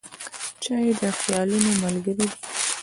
چای د خیالونو ملګری دی.